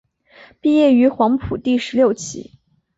毕业于黄埔第十六期。